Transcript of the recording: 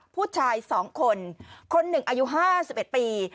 ผู้ชาย๒คนคน๑อายุ๕๑ปี